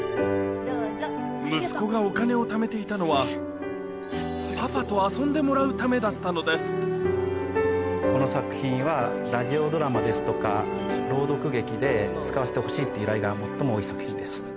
息子がお金を貯めていたのはパパと遊んでもらうためだったのですこの作品はラジオドラマですとか朗読劇で使わせてほしいっていう依頼が最も多い作品です。